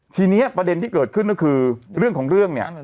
ทีนี้ประเด็นที่เกิดขึ้นก็คือเรื่องของเรื่องเนี่ย